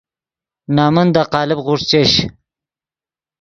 نَمن دے قالب غوݰ چش